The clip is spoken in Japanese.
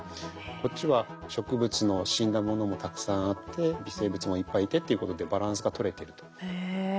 こっちは植物の死んだものもたくさんあって微生物もいっぱいいてっていうことでへえ。